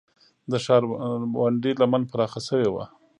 د ښارونډۍ لمن پراخه شوې وه